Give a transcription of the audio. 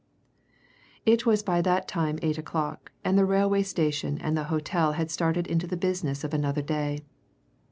It was by that time eight o'clock, and the railway station and the hotel had started into the business of another day.